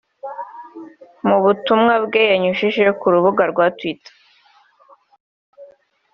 Mu butumwa bwe yanyujije ku rubuga rwa twitter